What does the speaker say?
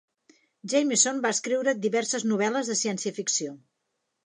Jameson va escriure diverses novel.les de ciència ficció.